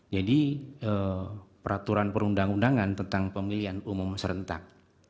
jadi peraturan perundang undangan tentang pemilihan umum serentak